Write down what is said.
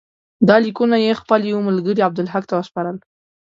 دا لیکونه یې خپل یوه ملګري عبدالحق ته وسپارل.